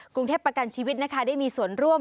กรุงเทพประกันชีวิตนะคะได้มีส่วนร่วม